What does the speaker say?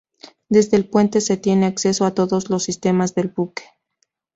Desde el puente se tiene acceso a todos los sistemas del buque.